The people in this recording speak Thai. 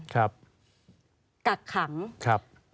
กักขัง